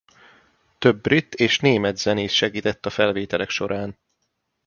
Több brit és német zenész segített a felvételek során.